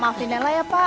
pak maafin nella ya pak